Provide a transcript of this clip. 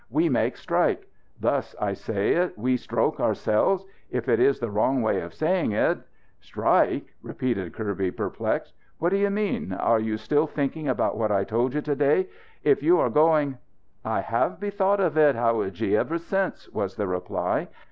We make strike. Thus I say it we 'stroke ourselves.' If it is the wrong way for saying it " "Strike?" repeated Kirby, perplexed. "What do you mean? Are you still thinking about what I told you to day? If you are going " "I have bethought of it, howadji, ever since," was the reply.